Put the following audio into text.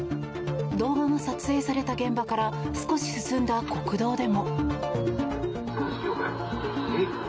動画が撮影された現場から少し進んだ国道でも。